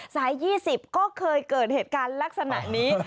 สาย๒๐ก็เคยเกิดเหตุการณ์ลักษณะนี้